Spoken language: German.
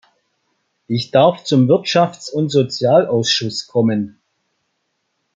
Ich darf zum Wirtschafts- und Sozialausschuss kommen.